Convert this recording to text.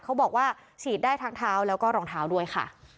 เขาบอกว่าฉีดได้ทั้งเท้าแล้วก็รองเท้าด้วยค่ะ